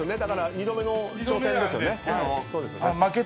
２度目の挑戦ですよね。